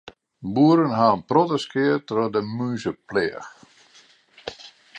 Boeren ha in protte skea troch de mûzepleach.